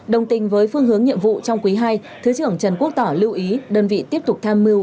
đồng tình với phương hướng nhiệm vụ trong quý ii thứ trưởng trần quốc tỏ lưu ý đơn vị tiếp tục tham mưu